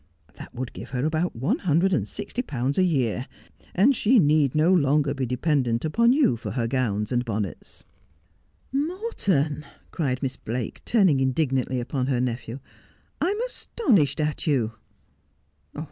That would give her about one hundred and sixty pounds a year ; and she need no longer be dependent upon you for her gowns and bonnets.' ' Morton,' cried Miss Blake, turning indignantly upon her nephew, ' I am astonished at you